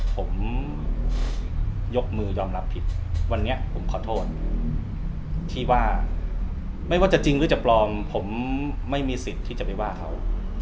ผมยกมือยอมรับผิดวันนี้ผมขอโทษที่ว่าไม่ว่าจะจริงหรือจะปลอมผมไม่มีสิทธิ์ที่จะไปว่าเขา